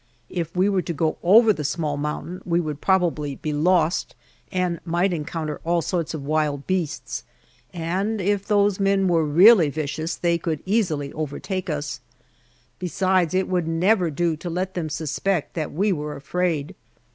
If we were to go over the small mountain we would probably be lost, and might encounter all sorts of wild beasts, and if those men were really vicious they could easily overtake us. Besides, it would never do to let them suspect that we were afraid.